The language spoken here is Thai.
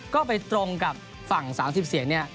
ก็ไปตรงกับฝั่ง๓๐เสียงเนี่ย